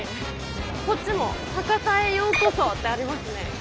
こっちも「博多へようこそ！」ってありますね。